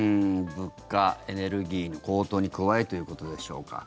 物価、エネルギーの高騰に加えということでしょうか。